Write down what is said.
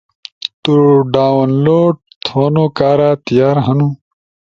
تو ڈاونلوڈ تھونو کارا تیار ہنو